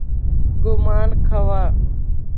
ګومان کاوه.